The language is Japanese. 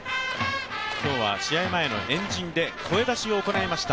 今日は試合前の円陣で声出しを行いました。